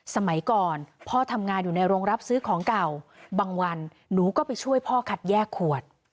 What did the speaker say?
สมัยก่อนพ่อทำงานอยู่ในโรงรับซื้อของเก่าบางวันหนูก็ไปช่วยพ่อคัดแยกขวด